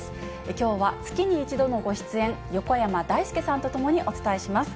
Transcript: きょうは月に一度のご出演、横山だいすけさんと共にお伝えします。